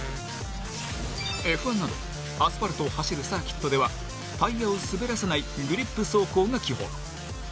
Ｆ１など、アスファルトを走るサーキットではタイヤを滑らせないグリップ走行が基本。